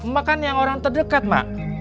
mak kan yang orang terdekat mak